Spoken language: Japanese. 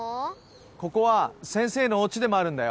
ここは先生のお家でもあるんだよ。